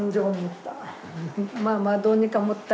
まあまあどうにかもった？